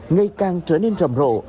ngày càng trở nên nguy hiểm